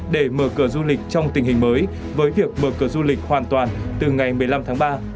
để mở cửa du lịch trong tình hình mới với việc mở cửa du lịch hoàn toàn từ ngày một mươi năm tháng ba